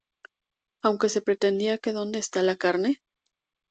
Aunque se pretendía que "¿Dónde está la carne?